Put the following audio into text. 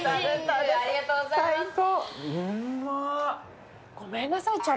最高。